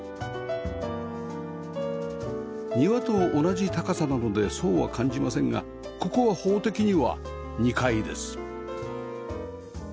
庭と同じ高さなのでそうは感じませんがここは法的には２階です